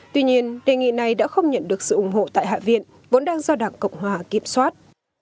tuy nhiên đề nghị này đã không nhận được sự ủng hộ tại hạ viện vốn đang do đảng cộng hòa kiểm soát